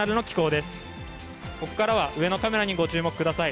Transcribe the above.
ここからは上のカメラにご注目ください。